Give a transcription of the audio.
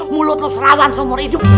mulut lu serawan seumur hidup